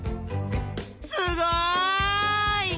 すごい！